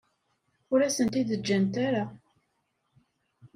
Ur asen-t-id-ǧǧant ara.